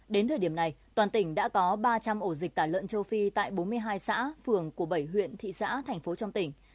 đến thời điểm này toàn tỉnh đã có ba trăm linh ổ dịch tả lợn châu phi tại bốn mươi hai xã phường của bảy huyện thị xã thành phố trong tỉnh